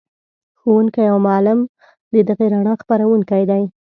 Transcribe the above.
ښوونکی او معلم د دغې رڼا خپروونکی دی.